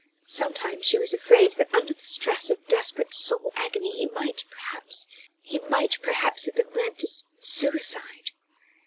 Sometimes she was afraid that under the stress of desperate soul agony he might perhaps have been led to suicide.